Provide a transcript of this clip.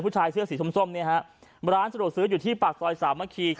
ผู้ชายเสื้อสีส้อมส้มล้านสะดวกซื้ออยู่ที่ปากสอยสามมะคี